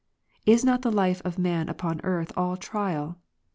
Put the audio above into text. Is not the life of man upon earth all trial